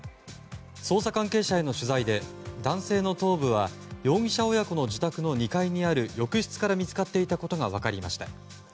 捜査関係者への取材で男性の頭部は容疑者親子の自宅の２階にある浴室から見つかっていたことが分かりました。